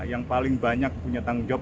yang paling banyak punya tanggung jawab